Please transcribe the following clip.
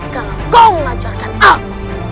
kalau kau mengajarkan aku